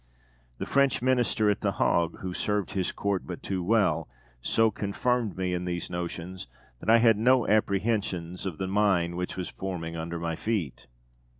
The French Minister at the Hague, who served his Court but too well, so confirmed me in these notions, that I had no apprehensions of the mine which was forming under my feet.